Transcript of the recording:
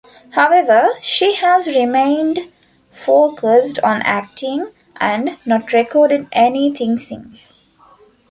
However, she has remained focused on acting, and not recorded anything since.